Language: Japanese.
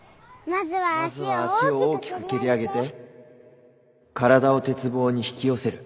まずは足を大きく蹴り上げて体を鉄棒に引き寄せる。